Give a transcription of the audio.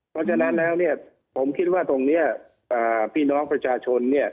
เพราะฉะนั้นแล้วเนี่ยผมคิดว่าตรงนี้พี่น้องประชาชนเนี่ย